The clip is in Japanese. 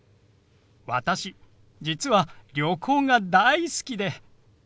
私実は旅行が大好きで。